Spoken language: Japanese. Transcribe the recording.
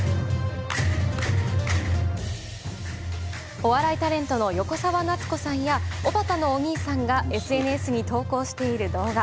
お笑いタレントの横澤夏子さんやおばたのお兄さんがＳＮＳに投稿している動画。